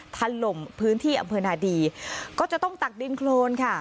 ถล่มพื้นที่อำเภอนาดีก็จะต้องตักดินโครนค่ะ